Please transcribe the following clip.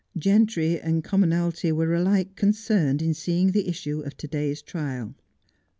Gentry and commonalty were alike concerned in seeing the issue of to day's trial.